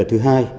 vấn đề thứ hai